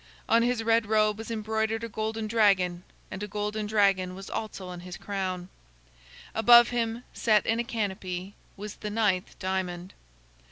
On his red robe was embroidered a golden dragon, and a golden dragon was also on his crown. Above him, set in a canopy, was the ninth diamond.